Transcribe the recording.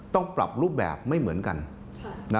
ต้องปรับรูปแบบไม่เหมือนกัน